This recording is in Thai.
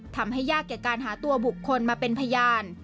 ทำให้ยากแก่การหาตัวบุคคลมาเป็นพยาน